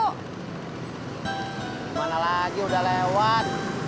kemana lagi udah lewat